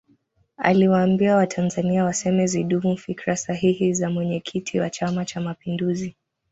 aliwaambia watanzania waseme zidumu fikra sahihi za mwenyekiti wa chama cha mapinduzi